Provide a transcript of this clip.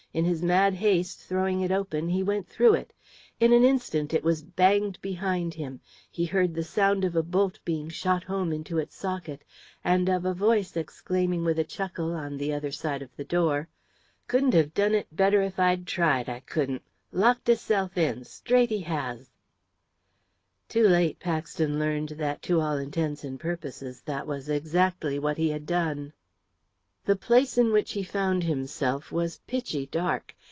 In his mad haste, throwing it open, he went through it. In an instant it was banged behind him; he heard the sound of a bolt being shot home into its socket, and of a voice exclaiming with a chuckle on the other side of the door! "Couldn't have done it better if I'd tried, I couldn't! Locked hisself in straight he has!" Too late Paxton learned that, to all intents and purposes, that was exactly what he had done. The place in which he found himself was pitchy dark.